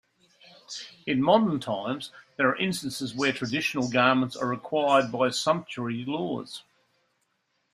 In modern times, there are instances where traditional garments are required by sumptuary laws.